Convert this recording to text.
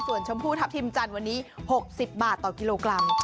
ส่วนชมพูทัพทิมจันทร์วันนี้๖๐บาทต่อกิโลกรัม